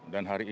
dan hari ini